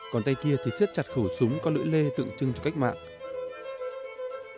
còn tay kia thì siết chặt khẩu súng có lưỡi lê tự trưng cho cách mạng